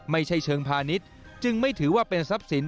ไม่ใช่เชิงพาณิชย์จึงไม่ถือว่าเป็นทรัพย์สิน